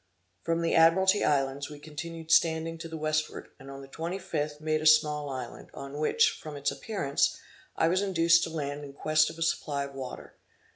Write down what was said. From the Admiralty Islands, we continued standing to the westward, and on the twenty fifth, made a small island, on which, from its appearance, I was induced to land in quest of a supply of water.